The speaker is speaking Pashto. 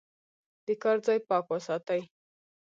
د کار ځای پاک وساتئ.